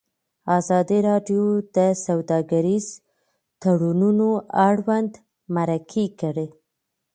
ازادي راډیو د سوداګریز تړونونه اړوند مرکې کړي.